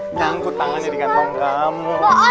nyangkut tangannya di kantong kamu